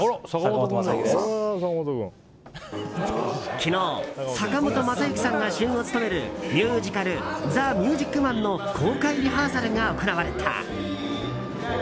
昨日、坂本昌行さんが主演を務めるミュージカル「ザ・ミュージック・マン」の公開リハーサルが行われた。